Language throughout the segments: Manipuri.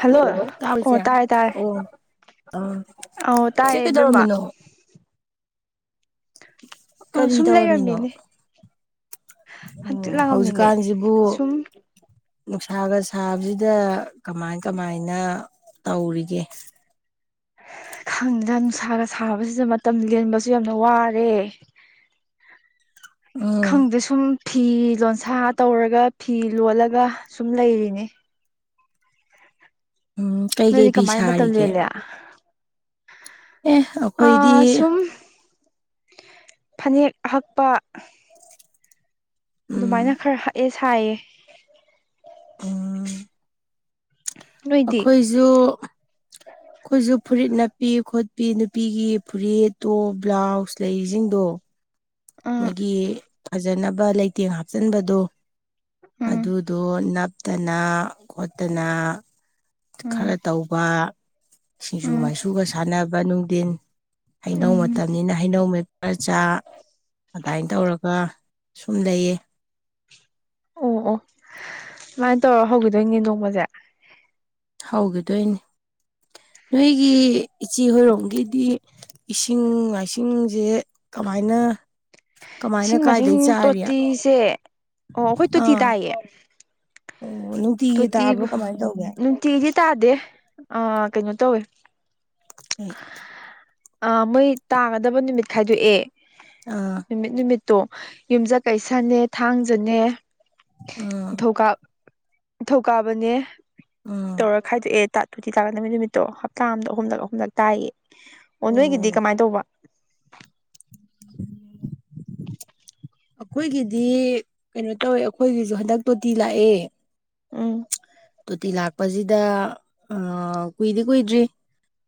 ꯍꯜꯂꯣ ꯇꯥꯕ꯭ꯔ ꯑꯣ ꯏꯆꯦ ꯇꯥꯏ ꯇꯥꯏ ꯑꯣ ꯑ ꯏꯆꯦ ꯇꯥꯏꯌꯦꯕꯕꯤꯃ ꯀꯩꯗꯧꯔꯝꯃꯤꯅꯣ ꯀꯔꯤ ꯁꯨꯝ ꯇꯧꯔꯝꯃꯤꯅꯣ ꯂꯩꯔꯝꯃꯤꯅꯦ ꯎ ꯍꯪꯆꯤꯠ ꯂꯥꯡꯉꯝꯃꯤꯅꯦ ꯍꯧꯖꯤꯛꯀꯥꯟꯁꯤꯕꯨ ꯁꯨꯝ ꯅꯨꯡꯁꯥꯒ ꯁꯥꯕꯁꯤꯗ ꯀꯃꯥꯏ ꯀꯃꯥꯏꯅ ꯇꯧꯔꯤꯒꯦ ꯈꯥꯡꯗ ꯅꯨꯡꯁꯥꯒ ꯁꯥꯕꯁꯤꯗ ꯃꯇꯝ ꯂꯦꯟꯕꯁꯨ ꯌꯥꯝꯅ ꯋꯥꯔꯦ [inaudible] ꯎꯝ ꯈꯪꯗ ꯁꯨꯝ ꯐꯤ ꯂꯣꯟꯁꯥ ꯇꯧꯔꯒ ꯐꯤ ꯂꯣꯜꯂꯒ ꯁꯨꯝ ꯂꯩꯔꯤꯅꯤ ꯎꯝ ꯅꯣꯏꯗꯤ ꯀꯩꯀꯩ ꯐꯤ ꯀꯃꯥꯏꯅ ꯃꯇꯝ ꯁꯥꯔꯤꯒꯦ ꯂꯦꯜꯂꯦ ꯑꯦ ꯑꯩꯈꯣꯏꯗꯤ ꯑꯥ ꯁꯨꯝ ꯐꯅꯦꯛ ꯑꯍꯛꯄ ꯎꯝ ꯑꯗꯨꯃꯥꯏꯅ ꯈꯔ ꯍꯛꯑꯦ ꯁꯥꯏꯌ‌ꯦ ꯎꯝ ꯅꯣꯏꯗꯤ ꯑꯩꯈꯣꯏꯁꯨ ꯑꯩꯈꯣꯏꯁꯨ ꯐꯨꯔꯤꯠ ꯅꯞꯄꯤ ꯈꯣꯠꯄꯤ ꯅꯨꯄꯤꯒꯤ ꯐꯨꯔꯤꯠ ꯇꯣꯞ ꯕ꯭ꯂꯥꯎꯁ ꯂꯩꯁꯤꯡꯗꯣ ꯎꯝ ꯂꯩꯇꯦꯡ ꯍꯥꯞꯆꯤꯟꯕꯗꯣ ꯎꯝ ꯑꯗꯨꯗꯣ ꯅꯞꯇꯅ ꯈꯣꯠꯇꯅ ꯎꯝ ꯈꯔ ꯇꯧꯕ ꯁꯤꯡꯖꯨ ꯎꯝ ꯃꯥꯏꯁꯨꯒ ꯁꯥꯟꯅꯕ ꯅꯨꯡꯊꯤꯟ ꯍꯩꯅꯧ ꯎꯝ ꯃꯇꯝꯅꯤꯅ ꯍꯩꯅꯧ ꯔ ꯆꯥꯛ ꯑꯗꯨꯃꯥꯏꯅ ꯇꯧꯔꯒ ꯁꯨꯝ ꯂꯩꯌꯦ ꯑꯣ ꯑꯣ ꯁꯨꯃꯥꯏꯅ ꯇꯧꯔ ꯍꯧꯈꯤꯗꯣꯏꯅꯦꯗꯣꯡꯕꯁꯦ ꯍꯧꯒꯗꯣꯏꯅꯤ ꯅꯣꯏꯒꯤ ꯏꯆꯤ ꯍꯔꯣꯡꯒꯤꯗꯤ ꯏꯁꯤꯡ ꯃꯥꯏꯁꯤꯡꯁꯦ ꯀꯃꯥꯏꯅ ꯀꯃꯥꯏꯅ ꯏꯁꯤꯡ ꯃꯁꯤꯡ ꯀꯥꯏꯗꯩ ꯆꯥꯔꯤ ꯑꯥ ꯇꯣꯇꯤꯁꯦ ꯑꯣ ꯑꯩꯈꯣꯏ ꯇꯣꯇꯤ ꯑꯣ ꯇꯥꯏꯌꯦ ꯅꯨꯡꯇꯤꯒꯤ ꯇꯣꯇꯤ ꯇꯥꯕ꯭ꯔꯣ ꯀꯃꯥꯏꯅ ꯇꯧꯒꯦ ꯅꯨꯡꯇꯤꯗꯤ ꯇꯥꯗꯦ ꯑ ꯀꯩꯅꯣ ꯇꯧꯋꯦ ꯎ ꯑ ꯃꯣꯏ ꯇꯥꯒꯗꯕ ꯅꯨꯃꯤꯠ ꯈꯥꯏꯗꯣꯛꯑꯦ ꯅꯨꯃꯤꯠ ꯅꯨꯃꯤꯠ ꯇꯣ ꯌꯨꯝꯖꯠ ꯀꯩꯁꯅꯦ ꯊꯥꯡꯖꯅꯦ ꯑꯥ ꯅꯤꯡ ꯊꯧꯀꯥꯞ ꯊꯧꯀꯥꯕꯅꯦ ꯑꯥ ꯇꯧꯔ ꯈꯥꯏꯗꯣꯛꯑꯦ ꯇ ꯇꯨꯇꯤ ꯇꯥꯔꯛꯗꯃꯤ ꯅꯨꯃꯤꯠꯇꯣ ꯍꯞꯇꯥ ꯑꯗ ꯑꯍꯨꯝꯂꯛ ꯑꯍꯨꯝꯂꯛ ꯇꯥꯏꯌꯦ ꯑꯣ ꯅꯣꯏꯒꯤꯗꯤ ꯀꯃꯥꯏꯅ ꯇꯧꯕ ꯑꯩꯈꯣꯏꯒꯤꯗꯤ ꯀꯩꯅꯣ ꯇꯧꯋꯦ ꯑꯩꯈꯣꯏꯒꯤꯁꯨ ꯍꯟꯗꯛ ꯇꯣꯇꯤ ꯂꯥꯛꯑꯦ ꯎꯝ ꯇꯣꯇꯤ ꯂꯥꯛꯄꯁꯤꯗ ꯑ ꯀꯨꯏꯗꯤ ꯀꯨꯏꯗ꯭ꯔꯤ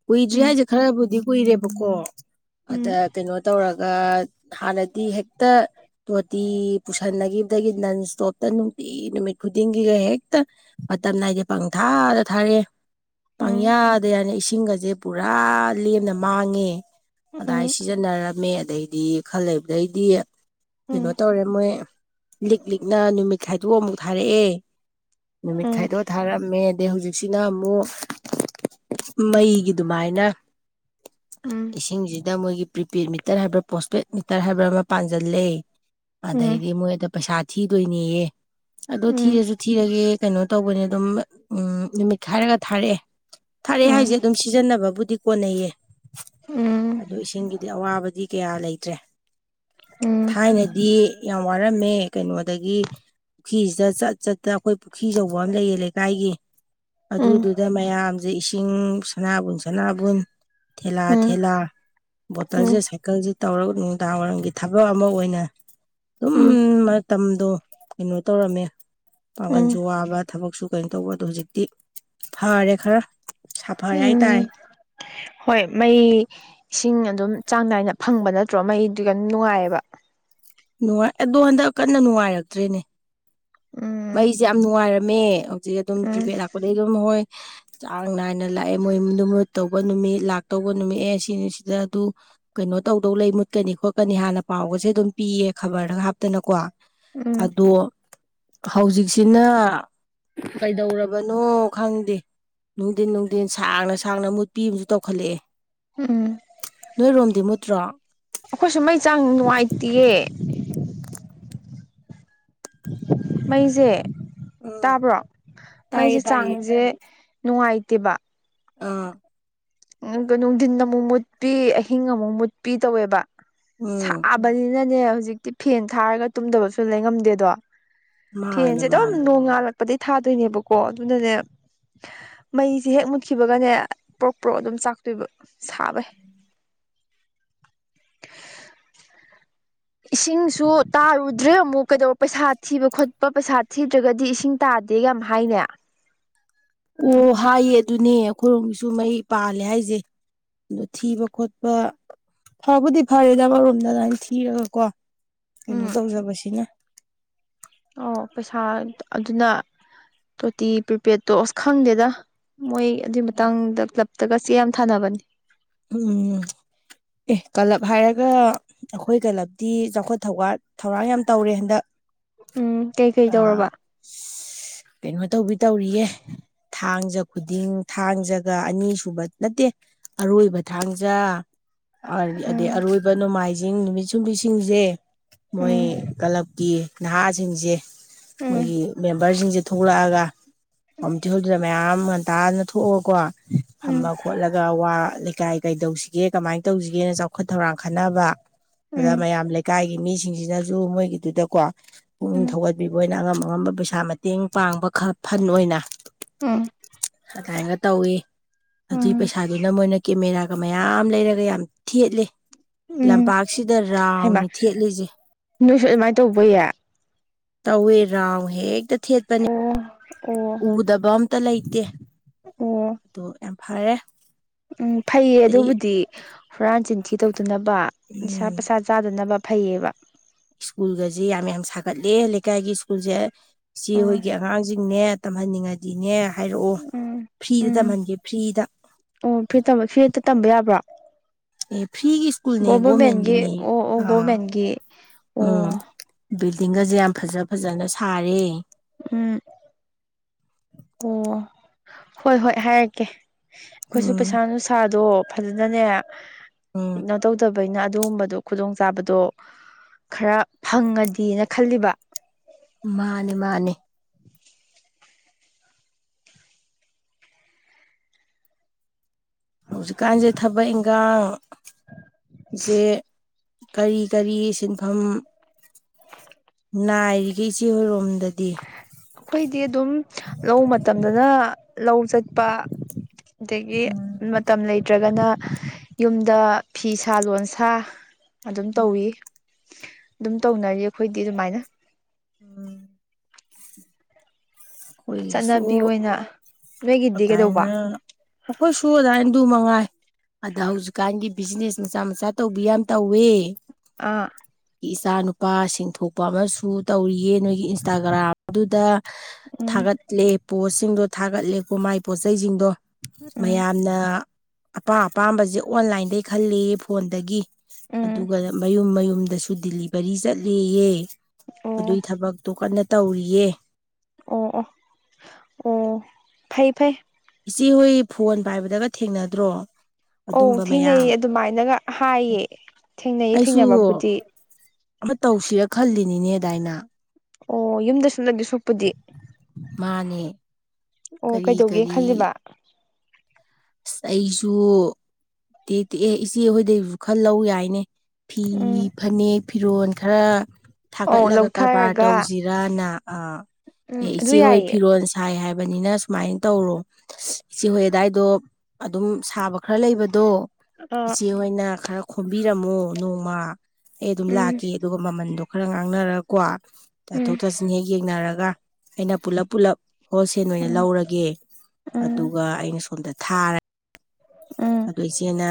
ꯀꯨꯏꯗ꯭ꯔꯤ ꯎꯝ ꯍꯥꯏꯁꯦ ꯈꯔꯕꯨꯗꯤ ꯀꯨꯏꯔꯦꯕꯀꯣ ꯑꯗ ꯎꯝ ꯀꯩꯅꯣ ꯇꯧꯔꯒ ꯑ ꯍꯥꯟꯅꯗꯤ ꯍꯦꯛꯇ ꯇꯣꯇꯤ ꯄꯨꯁꯟꯅꯈꯤꯕꯗꯒꯤ ꯅꯟ ꯏꯁꯇꯣꯞꯇ ꯅꯨꯡꯇꯤ ꯅꯨꯃꯤꯠ ꯈꯨꯗꯤꯡꯒꯤꯒ ꯍꯦꯛꯇ ꯇꯝꯅꯥꯏꯗꯤꯦ ꯄꯪ ꯊꯥꯗ ꯊꯥꯔꯛꯑꯦ ꯎꯝ ꯄꯪꯌꯥꯗ ꯌꯥꯅ ꯏꯁꯤꯡꯒꯁꯦ ꯄꯨꯔꯥ ꯂꯦꯝꯅ ꯃꯥꯡꯉꯦ ꯑꯗꯨꯗꯥꯏ ꯎꯝ ꯁꯤꯖꯤꯟꯅꯔꯝꯃꯦ ꯑꯗꯩꯗꯤ ꯈꯜꯂꯕꯗꯩꯗꯤ ꯀꯩꯅꯣ ꯎꯝ ꯇꯧꯔꯦ ꯃꯣꯏ ꯂꯤꯛ ꯂꯤꯛꯅ ꯅꯨꯃꯤꯠ ꯈꯥꯏꯗꯣꯛꯑ ꯑꯃꯨꯛ ꯊꯥꯔꯛꯑꯦ ꯅꯨꯃꯤꯠ ꯎꯝ ꯈꯥꯏꯗꯣꯛ ꯊꯥꯔꯝꯃꯦ ꯑꯗꯩ ꯍꯧꯖꯤꯛꯁꯤꯅ ꯑꯃꯨꯛ ꯃꯩꯒꯤ ꯑꯗꯨꯃꯥꯏꯅ ꯎꯝ ꯏꯁꯤꯡꯁꯤꯗ ꯃꯣꯏꯒꯤ ꯄ꯭ꯔꯤꯄꯦꯗ ꯃꯤꯇꯔ ꯍꯥꯏꯕ꯭ꯔꯥ ꯄꯣꯁꯄꯦꯗ ꯃꯤꯇꯔ ꯍꯥꯏꯕ꯭ꯔꯥ ꯑꯃ ꯄꯥꯟꯁꯤꯜꯂꯦ ꯎꯝ ꯑꯗꯩꯗꯤ ꯃꯣꯏꯗ ꯄꯩꯁꯥ ꯊꯤꯗꯣꯏꯅꯦꯌꯦ ꯎꯝ ꯑꯗꯣ ꯎꯝ ꯊꯤꯔꯁꯨ ꯊꯤꯔꯒꯦ ꯀꯩꯅꯣ ꯇꯧꯕꯅꯦ ꯑꯗꯨꯝ ꯎꯝ ꯅꯨꯃꯤꯠ ꯈꯥꯏꯔꯒ ꯊꯥꯔꯛꯑꯦ ꯊꯥꯔꯑꯦ ꯍꯥꯏꯁꯦ ꯎꯝ ꯑꯗꯨꯝ ꯁꯤꯖꯤꯟꯅꯕꯕꯨꯗꯤ ꯀꯣꯟꯅꯩꯌꯦ ꯎꯝ ꯑꯗꯨꯣ ꯏꯁꯤꯡꯒꯤꯗꯤ ꯑꯋꯥꯕꯗꯤ ꯀꯌꯥ ꯂꯩꯇ꯭ꯔꯦ ꯎꯝ ꯊꯥꯏꯅꯗꯤ ꯌꯥꯝ ꯋꯥꯔꯝꯃꯦ ꯀꯩꯅꯣꯗꯒꯤ ꯄꯨꯈ꯭ꯔꯤꯁꯤꯗ ꯆꯠ ꯆꯠꯇ ꯑꯩꯈꯣꯏ ꯄꯨꯈ꯭ꯔꯤ ꯑꯆꯧꯕ ꯑꯃ ꯂꯩꯌꯦ ꯂꯩꯀꯥꯏꯒꯤ ꯎꯝ ꯑꯗꯨꯗꯨꯗ ꯃꯌꯥꯝꯁꯦ ꯏꯁꯤꯡ ꯁꯅꯥꯕꯨꯟ ꯁꯅꯥꯕꯨꯟ ꯊꯦꯂꯥ ꯎꯝ ꯊꯦꯂ ꯕꯣꯇꯜꯁꯦ ꯁꯥꯏꯀꯜꯁꯦ ꯇꯧꯔꯒ ꯅꯨꯡꯗꯥꯡ ꯋꯥꯏꯔꯝꯒꯤ ꯊꯕꯛ ꯑꯃ ꯑꯣꯏꯅ ꯑꯗꯨꯝ ꯎꯝ ꯃꯇꯝꯗꯣ ꯀꯩꯅꯣ ꯇꯧꯔꯝꯃꯦ ꯄꯥꯡꯒꯟꯁꯨ ꯎꯝ ꯋꯥꯕ ꯊꯕꯛꯁꯨ ꯀꯩꯅꯣ ꯇꯧꯕ ꯑꯗꯣ ꯍꯧꯖꯤꯛꯇꯤ ꯐꯥꯔꯦ ꯈꯔ ꯁꯥꯐꯔꯦ ꯎꯝ ꯍꯥꯏꯇꯥꯔꯦ ꯍꯣꯏ ꯃꯣꯏ ꯏꯁꯤꯡ ꯑꯗꯨꯝ ꯆꯥꯡ ꯅꯥꯏꯅ ꯐꯪꯕ ꯅꯠꯇ꯭ꯔꯣ ꯃꯩꯗꯨ ꯑꯗꯨꯝ ꯅꯨꯡꯉꯥꯏꯌꯦꯕ ꯅꯨꯡꯉꯥꯏ ꯑꯗꯣ ꯍꯟꯗꯛ ꯀꯟꯅ ꯅꯨꯡꯉꯥꯏꯔꯛꯇ꯭ꯔꯦꯅꯦ ꯎꯝ ꯃꯩꯁꯦ ꯌꯥꯝ ꯅꯨꯡꯉꯥꯏꯔꯝꯃꯦ ꯍꯧꯖꯤꯛ ꯑꯗꯨꯝ ꯎꯝ ꯄ꯭ꯔꯤꯄꯦꯗ ꯂꯥꯛꯄꯗꯩ ꯑꯗꯨꯝ ꯍꯣꯏ ꯆꯥꯡ ꯅꯥꯏꯅ ꯂꯥꯛꯑꯦ ꯃꯣꯏ ꯃꯃꯨꯠ ꯇꯧꯕ ꯅꯨꯃꯤꯠ ꯂꯥꯛꯇꯧꯕ ꯅꯨꯃꯤꯠꯑ ꯁꯤꯅꯤꯁꯤꯗ ꯑꯗꯨ ꯀꯩꯅꯣ ꯇꯧꯗꯧ ꯂꯩ ꯃꯨꯠꯀꯅꯤ ꯈꯣꯠꯀꯅꯤ ꯍꯥꯟꯅ ꯄꯥꯎꯒꯁꯦ ꯑꯗꯨꯝ ꯄꯤꯌꯦ ꯈꯕꯔꯗ ꯍꯥꯞꯇꯅꯀꯣ ꯎꯝ ꯑꯗꯣ ꯍꯧꯖꯤꯛꯁꯤꯅ ꯀꯩꯗꯧꯔꯕꯅꯣ ꯈꯪꯗꯦ ꯅꯨꯡꯊꯤꯟ ꯅꯨꯡꯊꯤꯟ ꯁꯥꯡꯅ ꯁꯥꯡꯅ ꯃꯨꯠꯄꯤ ꯑꯃꯁꯨ ꯇꯧꯈꯠꯂꯛꯑꯦ ꯎꯝ ꯅꯣꯏꯔꯣꯝꯗꯤ ꯃꯨꯠꯇ꯭ꯔꯣ ꯑꯩꯈꯣꯏꯁꯨ ꯃꯩ ꯆꯥꯡ ꯅꯨꯡꯉꯥꯏꯇꯦꯌꯦ ꯃꯩꯁꯦ ꯎꯝ ꯇꯥꯕ꯭ꯔꯣ ꯃꯩꯁꯦ ꯇꯥꯏꯌꯦ ꯇꯥꯏꯌꯦ ꯆꯥꯡꯁꯦ ꯅꯨꯡꯉꯥꯏꯇꯦꯕ ꯑꯥ ꯅꯨꯡꯊꯤꯟ ꯑꯃꯨꯛ ꯃꯨꯠꯄꯤ ꯑꯍꯤꯡ ꯑꯃꯨꯛ ꯃꯨꯠꯄꯤ ꯇꯧꯋꯦꯕ ꯎꯝ ꯑꯗꯨꯅꯅꯦ ꯍꯧꯖꯤꯛꯇꯤ ꯐꯦꯟ ꯊꯥꯔꯒ ꯇꯨꯝꯗꯕꯁꯨ ꯂꯩꯉꯝꯗꯦꯗꯣ ꯃꯥꯅꯦ ꯐꯦꯟꯁꯦ ꯑꯗꯨꯝ ꯃꯥꯅꯦ ꯅꯣꯡꯉꯂ ꯄꯄꯗꯩ ꯊꯥꯗꯣꯏꯅꯦꯕꯀꯣ ꯑꯗꯨꯅꯅꯦ ꯃꯩꯁꯦ ꯍꯦꯛ ꯃꯨꯠꯈꯤꯕꯒꯅꯦ ꯄ꯭ꯔꯣ ꯑꯗꯨꯝ ꯆꯥꯛꯇꯣꯏꯕ ꯁꯥꯕꯩ ꯏꯁꯤꯡꯁꯨ ꯇꯥꯔꯨꯗ꯭ꯔꯦ ꯑꯃꯨꯛ ꯀꯩꯗꯧꯕ ꯄꯩꯁꯥ ꯊꯤꯕ ꯈꯣꯠꯄ ꯄꯩꯁꯥ ꯊꯤꯗ꯭ꯔꯒꯗꯤ ꯏꯁꯤꯡ ꯇꯥ ꯐꯗꯦ ꯌꯥꯝ ꯍꯥꯏꯅꯦ ꯑꯣ ꯍꯥꯏꯌꯦ ꯑꯗꯨꯅꯦ ꯑꯩꯈꯣꯏꯔꯣꯝꯒꯤꯁꯨ ꯃꯩ ꯄꯥꯜꯂꯦ ꯍꯥꯏꯁꯦ ꯑꯗꯨ ꯊꯤꯕ ꯈꯣꯠꯄ ꯐꯕꯨꯗꯤ ꯐꯔꯦ ꯑꯃꯔꯣꯝꯗ ꯑꯗꯨꯃꯥꯏꯅ ꯊꯤꯔꯒꯀꯣ ꯀꯩꯅꯣ ꯎꯝ ꯇꯧꯖꯕꯁꯤꯅ ꯑꯣ ꯄꯩꯁꯥ ꯑꯗꯨꯅ ꯇꯣꯇꯤ ꯄ꯭ꯔꯤꯄꯦꯠꯇꯣ ꯑꯁ ꯈꯪꯗꯦꯗ ꯃꯣꯏ ꯑꯗꯨꯏ ꯃꯇꯥꯡꯗ ꯄꯂꯞꯇꯒ ꯆꯦ ꯌꯥꯝ ꯊꯥꯅꯕꯅꯤ ꯎꯝ ꯑꯦ ꯀꯂꯕ ꯍꯥꯏꯔꯒ ꯑꯩꯈꯣꯏ ꯀ꯭ꯂꯂꯕꯇ ꯆꯥꯎꯈꯠ ꯊꯧꯔꯠ ꯊꯧꯔꯥꯡ ꯌꯥꯝ ꯇꯧꯔꯦ ꯍꯟꯗꯛ ꯎꯝ ꯀꯩꯀꯩ ꯑꯥ ꯇꯧꯔꯕ ꯀꯩꯅꯣ ꯇꯧꯕꯤ ꯇꯧꯔꯤꯌꯦ ꯊꯥꯡꯖ ꯈꯨꯗꯤꯡ ꯊꯥꯡꯖꯒ ꯑꯅꯤꯁꯨꯨꯕ ꯅꯠꯇꯦ ꯑꯔꯣꯏꯕ ꯊꯥꯡꯖꯥ ꯑꯗꯩ ꯎꯝ ꯑꯔꯣꯏꯕ ꯅꯣꯡꯃꯥꯏꯖ ꯖꯤꯡ ꯅꯨꯃꯤꯠ ꯁꯨꯡꯕꯤꯁꯤꯡꯁꯦ ꯃꯣꯏ ꯎꯝ ꯀ꯭ꯂꯕꯀꯤ ꯅꯍꯥꯁꯤꯡꯁꯦ ꯎꯝ ꯃꯣꯏꯒꯤ ꯃꯦꯝꯕꯔꯁꯤꯡꯁꯦ ꯊꯣꯛꯂꯛꯑꯒ ꯀꯃꯨꯅꯤꯇꯤ ꯍꯣꯜꯗꯨꯗ ꯃꯌꯥꯝ ꯟꯇꯥꯗꯅ ꯊꯣꯛꯑꯀꯣ ꯎꯝ ꯐꯝꯃ ꯈꯣꯠꯂꯒ ꯋꯥ ꯂꯩꯀꯥꯏ ꯀꯩꯗꯧꯁꯤꯒꯦ ꯀꯃꯥꯏꯅ ꯇꯧꯁꯤꯒꯦꯅ ꯆꯥꯎꯈꯠ ꯊꯧꯔꯥꯡ ꯈꯟꯅꯕ ꯑꯗ ꯎꯝ ꯃꯌꯥꯝ ꯂꯩꯀꯥꯏꯒꯤ ꯃꯤꯁꯤꯡꯁꯤꯅꯁꯨ ꯃꯣꯏꯒꯤꯗꯨꯗꯀꯣ ꯄꯨꯛꯅꯤꯡ ꯊꯧꯒꯠꯄꯤꯕ ꯑꯣꯏꯅ ꯑꯉꯝꯕ ꯑꯉꯝꯕ ꯄꯩꯁꯥ ꯃꯇꯦꯡ ꯄꯥꯡꯕ ꯈꯔ ꯐꯟ ꯑꯣꯏꯅ ꯎꯝ ꯎꯝ ꯑꯗꯨꯃꯥꯏꯒ ꯇꯧꯋ ꯑꯗꯨꯏ ꯎꯝ ꯄꯩꯁꯥꯗꯨꯅ ꯃꯣꯏꯅ ꯀꯦꯃꯦꯔꯥꯒ ꯃꯌꯥꯝ ꯂꯩꯔꯒ ꯌꯥꯝ ꯊꯦꯠꯂꯦ ꯎꯝ ꯂꯝꯄꯥꯛꯁꯤꯗ ꯍꯥꯏꯃ ꯔꯥꯎꯅꯤ ꯊꯦꯠꯂꯤꯁꯦ ꯅꯣꯏꯁꯨ ꯑꯗꯨꯃꯥꯏꯅ ꯇꯧꯕꯌꯦ ꯇꯧꯋꯦ ꯔꯥꯎ ꯍꯦꯛꯇ ꯊꯦꯠꯄꯅꯦ ꯑꯣ ꯑꯣ ꯎꯗꯕꯝꯇꯂ ꯑꯇꯦ ꯑꯣ ꯐꯔꯦ ꯎꯝ ꯐꯩꯌꯦ ꯑꯗꯩ ꯑꯗꯨꯕꯨꯗꯤ ꯍꯨꯔꯥꯟ ꯆꯤꯟꯊꯤ ꯇꯧ ꯇꯅꯕ ꯅꯤꯁꯥ ꯎꯝ ꯄꯁꯥ ꯆꯥꯗꯅꯕ ꯐꯩꯌꯦꯕ ꯁ꯭ꯀꯨꯜꯒꯁꯦ ꯌꯥꯝ ꯌꯥꯝ ꯁꯥꯒꯠꯂꯦ ꯂꯩꯀꯥꯏꯒꯤ ꯁ꯭ꯀꯨꯜꯁꯦ ꯁꯤꯆꯦ ꯎꯝ ꯑꯩꯈꯣꯏꯒꯤ ꯑꯉꯥꯡꯁꯤꯡꯅꯦ ꯇꯝꯍꯟꯅꯤꯡꯉꯗꯤꯅꯦ ꯍꯥꯏꯔꯛꯑꯣ ꯎꯝ ꯐ꯭ꯔꯤꯗ ꯎꯝ ꯇꯝꯍꯟꯒꯦ ꯐ꯭ꯔꯤꯗ ꯑꯣ ꯐ꯭ꯔꯤ ꯇꯝꯕ ꯐ꯭ꯔꯤꯗ ꯇꯝꯕ ꯌꯥꯕ꯭ꯔꯥ ꯑꯦ ꯐ꯭ꯔꯤꯒꯤ ꯁ꯭ꯀꯨꯜ ꯅ ꯚꯃꯦꯟꯒꯤꯅꯦ ꯑꯣ ꯑꯣ ꯑꯥ ꯒꯣꯚꯔꯃꯦꯟꯒꯤ ꯎꯝ ꯑꯣ ꯕꯤꯜꯗꯤꯡꯒꯁꯦ ꯌꯥꯝ ꯐꯖ ꯐꯖꯅ ꯁꯥꯔꯦ ꯎꯝ ꯑꯣ ꯍꯣꯏ ꯍꯣꯏ ꯍꯥꯏꯔꯛꯀꯦ ꯑꯩꯈꯣꯏꯁꯨ ꯎꯝ ꯄꯩꯁꯥ ꯅꯨꯡꯁꯥꯗꯣ ꯐꯖꯅꯅꯦ ꯎꯝ ꯀꯩꯅꯣ ꯇꯧꯗꯕ ꯑꯕꯩꯅ ꯑꯗꯨꯒꯨꯝꯕꯗꯣ ꯈꯨꯗꯣꯡꯆꯥꯥꯕꯗꯣ ꯈꯔ ꯐꯪꯉꯗꯤꯅ ꯈꯜꯂꯤꯕ ꯃꯥꯅꯦ ꯃꯥꯅꯦ ꯍꯧꯖꯤꯛꯀꯥꯟꯁꯦ ꯊꯕꯛ ꯏꯟꯈꯥꯡꯁꯦ ꯀꯔꯤ ꯀꯔꯤ ꯁꯤꯟꯐꯝ ꯅꯥꯏꯔꯤꯒꯦ ꯏꯆꯦ ꯍꯣꯏꯔꯣꯝꯗꯗꯤ ꯑꯩꯈꯣꯏꯗꯤ ꯑꯗꯨꯝ ꯂꯧ ꯃꯇꯝꯗꯅ ꯂꯧ ꯆꯠ ꯄ ꯑꯗꯒꯤ ꯎꯝ ꯃꯇꯝ ꯂꯩꯇ꯭ꯔꯒꯅ ꯌꯨꯝꯗ ꯐꯤ ꯁꯥ ꯂꯣꯟꯁꯥ ꯑꯗꯨꯝ ꯎꯝ ꯇꯧꯋꯤ ꯑꯗꯨꯝ ꯇꯧꯅꯔꯤ ꯑꯩꯈꯣꯏꯗꯤ ꯑꯗꯨꯃꯥꯏꯅ ꯎꯝ ꯆꯠꯅꯕꯤ ꯑꯩꯈꯣꯏꯒꯤꯁꯨ ꯑꯣꯏꯅ ꯅꯣꯏꯒꯤꯗꯤ ꯀꯩꯗꯧꯕ ꯑꯗꯨꯃꯥꯏꯅ ꯑꯩꯈꯣꯏꯁꯨ ꯑꯗꯨꯃꯥꯏ ꯃꯉꯥꯏ ꯑꯗ ꯍꯧꯖꯤꯛꯀꯥꯟꯒꯤ ꯕꯤꯖꯤꯅꯦꯁ ꯃꯆꯥ ꯃꯆꯥ ꯇꯧꯕꯤ ꯌꯥꯝ ꯇꯧꯋꯦ ꯑꯥ ꯏꯆꯥ ꯅꯨꯄꯥ ꯁꯤꯡꯊꯣꯛꯄ ꯑꯃꯁꯨ ꯇꯧꯔꯤꯌꯦ ꯅꯣꯏꯒꯤ ꯏꯟꯁꯇꯥꯒ꯭ꯔꯥꯝ ꯑꯗꯨꯗ ꯎꯝ ꯊꯥꯒꯠꯂꯦ ꯄꯣꯠꯁꯤꯡꯗꯣ ꯊꯥꯒꯠꯂꯦꯀꯣ ꯃꯥꯏ ꯄꯣꯠꯆꯩꯁꯤꯡꯗꯣ ꯎꯝ ꯃꯌꯥꯝꯅ ꯑꯄꯥꯝ ꯑꯄꯥꯝꯕꯁꯦ ꯑꯣꯟꯂꯥꯏꯟꯗꯒꯤ ꯈꯜꯂꯦꯌꯦ ꯐꯣꯟꯗꯒꯤ ꯎꯝ ꯑꯗꯨꯒ ꯃꯌꯨꯝ ꯃꯌꯨꯝꯗꯁꯨ ꯗꯤꯂꯤꯚꯔꯤ ꯆꯠꯂꯦꯌꯦ ꯑꯣ ꯑꯗꯨꯏ ꯊꯕꯛꯇꯣ ꯀꯟꯅ ꯇꯧꯔꯤꯌꯦ ꯑꯣ ꯑꯣ ꯑꯣ ꯐꯩ ꯐꯩ ꯏꯆꯦꯍꯣꯏ ꯐꯣꯟ ꯄꯥꯏꯕꯗꯒ ꯊꯦꯡꯅꯗ꯭ꯔꯣ ꯑꯣ ꯑꯗꯨꯝꯕ ꯃꯌꯥꯝ ꯊꯦꯡꯅꯩꯌꯦ ꯑꯗꯨꯃꯥꯏꯅꯒ ꯍꯥꯏꯌꯦ ꯊꯦꯡꯅꯩꯌꯦ ꯑꯩꯁꯨ ꯊꯦꯡꯅꯕꯕꯨꯗꯤ ꯑꯃ ꯇꯧꯁꯤꯔ ꯈꯜꯂꯤꯅꯤꯅꯦ ꯑꯗꯥꯏꯅ ꯑꯣ ꯌꯨꯝꯗ ꯁꯅꯗꯤ ꯁꯣꯛꯄꯨꯗꯤ ꯃꯥꯅꯦ ꯑꯣ ꯀꯔꯤ ꯀꯩꯗꯧꯒꯦ ꯀꯔꯤ ꯈꯜꯂꯤꯕ ꯑꯁ ꯑꯩꯁꯨ ꯇꯦꯛ ꯇꯦꯛ ꯏꯆꯦ ꯍꯣꯏꯗꯩꯕꯨ ꯈꯔ ꯂꯧ ꯌꯥꯏꯅꯦ ꯐꯤ ꯎꯝ ꯐꯅꯦꯛ ꯐꯤꯔꯣꯜ ꯈꯔ ꯑꯧ ꯊꯥꯒꯠꯂꯒ ꯀꯔꯕꯥꯔ ꯂꯧꯊꯔꯒ ꯇꯧꯁꯤꯔꯅ ꯑ ꯎꯝ ꯑꯦ ꯑꯗꯨ ꯏꯆꯦꯍꯣꯏ ꯌꯥꯏꯌꯦ ꯐꯤꯔꯣꯜ ꯁꯥꯏ ꯍꯥꯏꯕ ꯍꯥꯏꯕꯅꯤꯅ ꯁꯨꯃꯥꯏꯅ ꯇꯧꯔꯣ ꯏꯆꯦꯍꯣꯏ ꯑꯗꯨꯋꯥꯏꯗꯣ ꯑꯗꯨꯝ ꯁꯥꯕ ꯈꯔ ꯂꯩꯕꯗꯣ ꯑꯥ ꯏꯆꯦꯍꯣꯏꯅ ꯈꯔ ꯈꯣꯝꯕꯤꯔꯝꯃꯣ ꯅꯣꯡꯃ ꯑꯩ ꯑꯗꯨꯝ ꯎꯝ ꯂꯥꯛꯀꯦ ꯑꯗꯨꯒ ꯃꯃꯟꯗꯣ ꯈꯔ ꯉꯥꯡꯅꯔꯒꯀꯣ ꯎꯝ ꯇꯥꯊꯣꯛ ꯇꯥꯁꯤꯟ ꯍꯦꯛ ꯌꯦꯡꯅꯔꯒ ꯑꯩꯅ ꯄꯨꯜꯂꯞ ꯄꯨꯜꯂꯞ ꯍꯣꯜꯁꯦꯜ ꯑꯣꯏꯅ ꯎꯝ ꯂꯧꯔꯒꯦ ꯎꯝ ꯑꯗꯨꯒ ꯑꯩꯅ ꯁꯣꯝꯗ ꯊꯥꯔꯦ ꯎꯝ ꯑꯗꯨ ꯏꯆꯦꯅ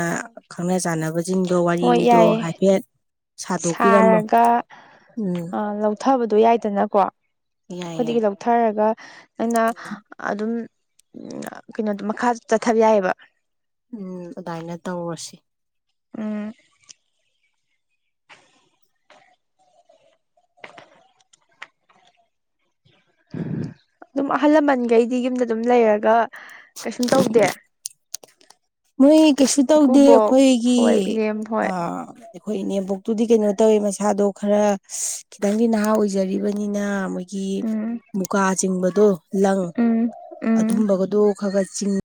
ꯈꯪꯅ ꯆꯥꯟꯅꯕꯁꯤꯡꯗꯣ ꯍꯣꯏ ꯋꯥꯔꯤꯗꯣ ꯌꯥꯏꯌꯦ ꯍꯥꯏꯐꯦꯠ ꯁꯥꯗꯣꯛꯄꯤꯔꯝꯃꯣ ꯁꯥꯔꯒ ꯎꯝ ꯂꯧꯊꯕꯗ ꯑꯗꯨ ꯌꯥꯏꯗꯅꯀꯣ ꯌꯥꯏ ꯌꯥꯏ ꯑꯩꯈꯣꯏꯗꯒꯤ ꯂꯧꯊꯔꯒ ꯅꯪꯅ ꯑꯗꯨꯝ ꯀꯩꯅꯣꯗ ꯃꯈꯥ ꯆꯠꯊꯕ ꯌꯥꯏꯌꯦꯕ ꯎꯝ ꯑꯗꯨꯃꯥꯏꯅ ꯇꯧꯔꯁꯤ ꯎꯝ ꯑꯗꯨꯝ ꯑꯍꯜ ꯂꯃꯟꯈꯩꯗꯤ ꯌꯨꯝꯗ ꯑꯗꯨꯝ ꯂꯩꯔꯒ ꯀꯩꯁꯨꯝ ꯇꯧꯗꯦ ꯃꯣꯏ ꯀꯩꯁꯨ ꯇꯧꯗꯦ ꯏꯀꯨꯕꯣꯛ ꯑꯩꯈꯣꯏꯒꯤ ꯍꯣꯏ ꯏꯅꯦꯝ ꯍꯣꯏ ꯑꯩꯈꯣꯏ ꯏꯅꯦꯝꯕꯣꯛꯇꯨꯗꯤ ꯀꯩꯅꯣ ꯇꯧꯋꯦ ꯃꯁꯥꯗꯣ ꯈꯔ ꯈꯤꯇꯪꯗꯤ ꯅꯍꯥ ꯑꯣꯏꯖꯔꯤꯕꯅꯤꯅ ꯑꯩꯒꯤ ꯎꯝ ꯃꯨꯀꯥ ꯆꯤꯡꯕꯗꯣ ꯂꯪ ꯎꯝ ꯎꯝ ꯑꯗꯨꯝꯕꯒꯗꯣ ꯈꯔ ꯆꯤꯡ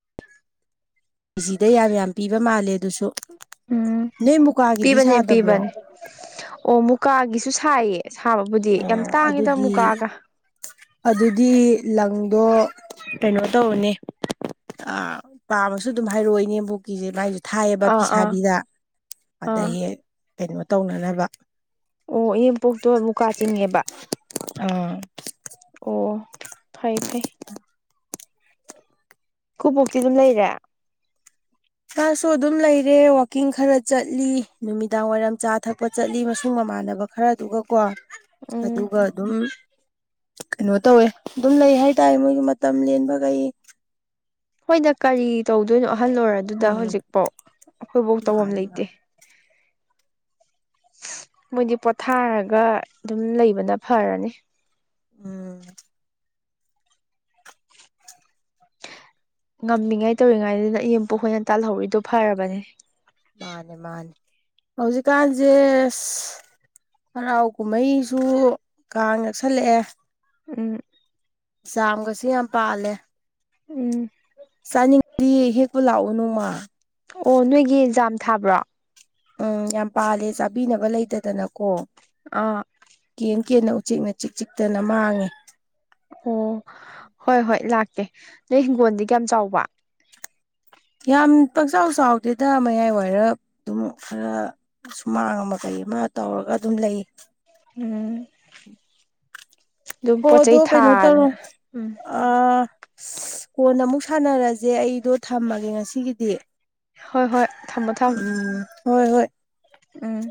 ꯀꯦꯖꯤꯗ ꯌꯥꯝ ꯌꯥꯝ ꯄꯤꯕ ꯃꯥꯜꯂꯦ ꯑꯗꯨꯁꯨ ꯎꯝ ꯅꯣꯏ ꯃꯨꯀꯥꯒꯤꯗꯤ ꯄꯤꯕꯅꯦ ꯁꯥꯗꯕ꯭ꯔꯣ ꯄꯤꯕꯅꯦ ꯑꯣ ꯃꯨꯀꯥꯒꯤꯁꯨ ꯁꯥꯏ ꯁꯥꯕꯕꯨꯗꯤ ꯌꯥꯝ ꯑꯣ ꯇꯥꯡꯉꯤꯗ ꯑꯗꯨꯗꯤ ꯃꯨꯒꯥꯒ ꯑꯗꯨꯗꯤ ꯂꯪꯗꯣ ꯀꯩꯅꯣ ꯇꯧꯅꯦ ꯑ ꯄꯥꯝꯃꯁꯨ ꯑꯗꯨꯝ ꯍꯥꯏꯔꯛꯑꯣ ꯏꯅꯦꯝꯕꯣꯛꯀꯤꯁꯦ ꯃꯥꯏꯁ ꯊꯥꯏꯌꯦꯕ ꯑꯥ ꯑꯥ ꯐꯤꯁꯥꯕꯤꯗ ꯑꯥ ꯑꯗꯒꯤ ꯀꯩꯅꯣ ꯇꯧꯅꯅꯕ ꯑꯣ ꯏꯅꯦꯝꯄꯣꯛꯇꯣ ꯃꯨꯀꯥ ꯆꯤꯡꯉꯦꯕ ꯑꯥ ꯑꯣ ꯐꯩ ꯐꯩ ꯑꯩꯈꯣꯏ ꯕꯣꯛꯇꯤ ꯑꯗꯨꯝ ꯂꯩꯔꯦ ꯁꯥꯁꯨ ꯑꯗꯨꯝ ꯂꯩꯔꯦ ꯋꯥꯛꯀꯤꯡ ꯈꯔ ꯆꯠꯂꯤ ꯅꯨꯃꯤꯗꯥꯡ ꯋꯥꯏꯔꯝ ꯆꯥ ꯊꯛꯄ ꯆꯠꯂꯤ ꯃꯁꯨꯡ ꯃꯃꯥꯟꯅꯕ ꯈꯔꯗꯨꯒꯀꯣ ꯎꯝ ꯑꯗꯨꯒ ꯑꯗꯨꯝ ꯀꯩꯅꯣ ꯇꯧꯋꯦ ꯑꯗꯨꯝ ꯂꯩ ꯍꯥꯏ ꯇꯔꯦ ꯃꯣꯏꯒꯤ ꯃꯇꯝ ꯂꯦꯟꯕꯈꯩ ꯍꯣꯏꯗ ꯀꯔꯤ ꯇꯧꯗꯣꯏꯅꯣ ꯑꯍꯜ ꯑꯣꯏꯔ ꯑꯗꯨꯗ ꯎꯝ ꯍꯧꯖꯤꯛꯐꯥꯎ ꯑꯩꯈꯣꯏꯐꯥꯎ ꯇꯧꯐꯝ ꯃꯥꯅꯦ ꯂꯩꯇꯦ ꯃꯥꯅꯦ ꯃꯣꯏꯗꯤ ꯄꯣꯊꯥꯔꯒ ꯑꯗꯨꯝ ꯂꯩꯕꯅ ꯐꯔꯅꯤ ꯎꯝ ꯉꯝꯃꯤꯉꯥꯏ ꯇꯧꯔꯤꯉꯥꯏꯗꯨꯅ ꯑꯦꯝꯄꯈꯣꯏꯅ ꯇꯥꯜꯍꯧꯔꯤꯗꯣ ꯐꯔꯕꯅꯦ ꯃꯥꯅꯦ ꯃꯥꯅꯦ ꯍꯧꯖꯤꯛꯀꯥꯟꯁꯦ ꯍꯔꯥꯎ ꯀꯨꯝꯍꯩꯁꯨ ꯀꯥꯡ ꯅꯛꯁꯜꯂꯛꯑꯦ [unintelligible] ꯆꯝꯒꯁꯨ ꯌꯥꯝ ꯄꯥꯜꯂꯦ ꯎꯝ ꯆꯥꯅꯤꯡꯉꯗꯤ ꯍꯦꯛꯄ ꯂꯥꯛꯑꯣ ꯅꯨꯃ ꯑꯣ ꯅꯣꯏꯒꯤ ꯑꯦꯟꯖꯥꯝ ꯊꯥꯕ꯭ꯔꯣ ꯎꯝ ꯌꯥꯝ ꯄꯥꯜꯂꯦ ꯆꯥꯕꯤꯅꯕ ꯂꯩꯇꯗꯅꯀꯣ ꯑꯥ ꯀꯦꯟ ꯀꯦꯟꯅ ꯎꯆꯦꯛꯅ ꯆꯤꯛ ꯆꯤꯛꯇꯅ ꯃꯥꯡꯉꯦ ꯑꯣ ꯍꯣꯏ ꯍꯣꯏ ꯂꯥꯛꯀꯦ ꯅꯣꯏ ꯍꯤꯡꯒꯣꯜꯗꯤ ꯀꯌꯥꯝ ꯆꯥꯎꯕ ꯌꯥꯝ ꯄꯥꯛꯆꯥꯎ ꯆꯥꯎꯗꯦꯗ ꯃꯌꯥꯏ ꯋꯥꯏꯔ ꯑꯗꯨꯝ ꯈꯔ ꯁꯨꯃꯥꯡ ꯑꯃ ꯀꯩ ꯃꯥ ꯇꯧꯔꯒ ꯑꯗꯨꯝ ꯂꯩ ꯎꯝ ꯑꯗꯨꯝ ꯄꯣꯠ ꯍꯣꯏꯗꯣ ꯆꯩꯩ ꯀꯩꯅꯣ ꯊꯥꯗꯅ ꯇꯧꯔꯣ ꯎꯝ ꯑ ꯀꯣꯟ ꯑꯃꯨꯛ ꯁꯥꯟꯅꯔꯁꯦ ꯑꯩ ꯑꯗꯣ ꯊꯝꯃꯒꯦ ꯉꯁꯤꯒꯤꯗꯤ ꯍꯣꯏ ꯍꯣꯏ ꯊꯝꯃꯣ ꯊꯝꯃꯣ ꯎꯝ ꯍꯣꯏ ꯍꯣꯏ ꯎꯝ